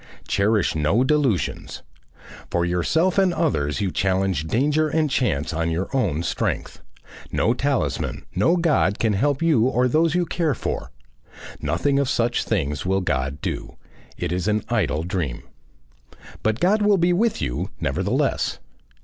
Cherish no delusions; for yourself and others you challenge danger and chance on your own strength; no talisman, no God, can help you or those you care for. Nothing of such things will God do; it is an idle dream. But God will be with you nevertheless.